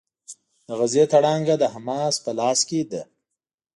د غزې تړانګه د حماس په لاس کې ده.